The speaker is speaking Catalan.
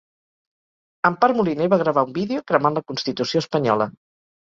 Empar Moliner va gravar un vídeo cremant la constitució espanyola